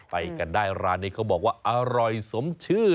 ไปกันได้ร้านนี้เขาบอกว่าอร่อยสมชื่อ